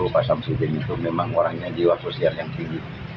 pak syamsuddin itu memang orangnya jiwa khusus yang tinggi